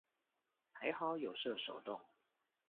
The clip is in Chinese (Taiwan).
還好有設手動